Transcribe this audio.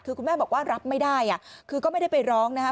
คือคุณแม่บอกว่ารับไม่ได้คือก็ไม่ได้ไปร้องนะคะ